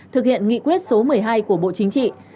thực hiện nghị quyết số một mươi hai của bộ chính trị